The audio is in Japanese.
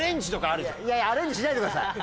いやいやアレンジしないでください。